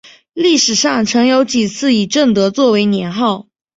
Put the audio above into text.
历史上曾有几次以正德作为年号。